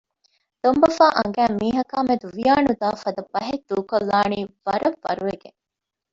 ދޮންބަފާ އަނގައިން މީހަކާ މެދު ވިޔާނުދާ ފަދަ ބަހެއް ދޫކޮށްލާނީ ވަރަށް ވަރުވެގެން